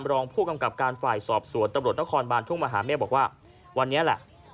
รองผู้กำกับการฝ่ายสอบสวนตำรวจนครบานทุ่งมหาเมฆบอกว่าวันนี้แหละ